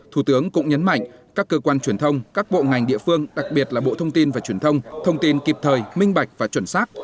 thủ tướng cũng nhấn mạnh các cơ quan truyền thông các bộ ngành địa phương đặc biệt là bộ thông tin và truyền thông thông tin kịp thời minh bạch và chuẩn xác